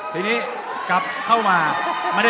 ทีนี้กลับเข้ามา